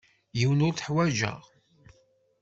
Yiwen ur t-uḥwaǧeɣ.